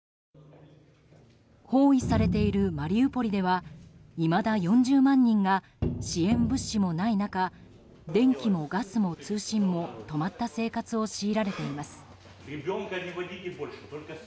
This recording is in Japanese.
包囲されているマリウポリではいまだ４０万人が支援物資もない中電気もガスも通信も止まった生活を強いられています。